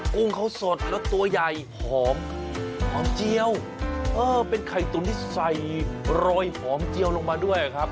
กุ้งเขาสดแล้วตัวใหญ่หอมหอมเจียวเออเป็นไข่ตุ๋นที่ใส่โรยหอมเจียวลงมาด้วยครับ